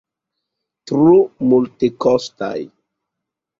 Tro multekostaj.